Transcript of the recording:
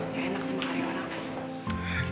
ya enak sama kalian anak anak